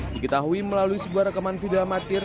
diketahui melalui sebuah rekaman video amatir